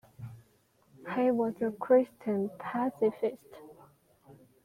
He was a Christian pacifist.